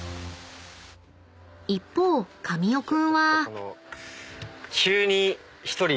［一方神尾君は］